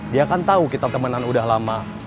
dia kan tahu kita temenan udah lama